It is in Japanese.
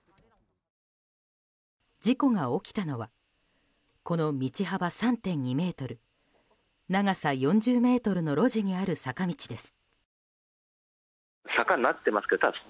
事故が起きたのはこの道幅３．２ｍ、長さ４０ｍの路地にある坂道です。